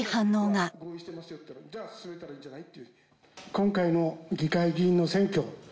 今回の議会議員の選挙